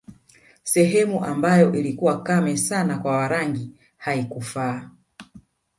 Sehemu ambayo ilikuwa kame sana kwa Warangi haikufaa